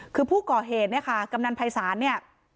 คือผู้ก่อเหตุเนี่ยค่ะกำนันภัยศาลเนี่ย